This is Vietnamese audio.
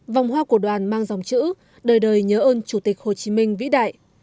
vòng hoa của đoàn mang dòng chữ đời đời nhớ ơn chủ tịch hồ chí minh vĩ đại